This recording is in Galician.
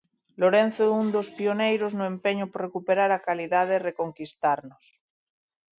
Lorenzo é un dos pioneiros no empeño por recuperar a calidade e reconquistarnos.